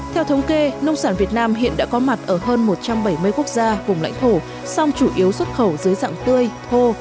theo thống kê nông sản việt nam hiện đã có mặt ở hơn một trăm bảy mươi quốc gia vùng lãnh thổ song chủ yếu xuất khẩu dưới dạng tươi thô